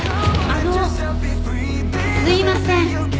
あのすいません。